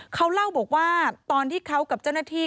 เขาเล่าบอกว่าตอนที่เขากับเจ้าหน้าที่